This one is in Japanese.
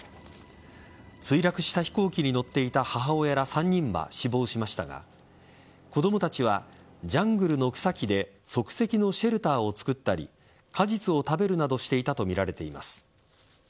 墜落した飛行機に乗っていた母親ら３人は死亡しましたが子供たちはジャングルの草木で即席のシェルターを作ったり果実を食べるなどしていたとみられています。